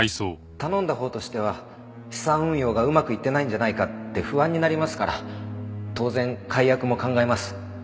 頼んだほうとしては資産運用がうまくいってないんじゃないかって不安になりますから当然解約も考えます。